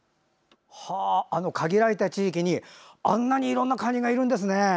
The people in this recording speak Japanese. あの限られた地域にあんなにいろんなカニがいるんですね。